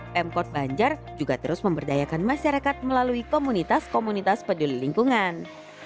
pemkot banjar juga terus memberdayakan masyarakat melalui komunitas komunitas peduli lingkungan